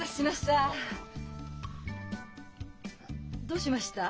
どうしました？